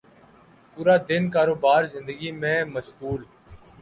پورا دن کاروبار زندگی میں مشغول